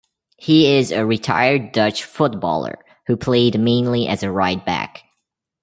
He is a retired Dutch footballer who played mainly as a right back.